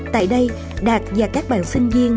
tại đây đạt và các bạn sinh viên